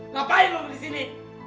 ngapain lo disini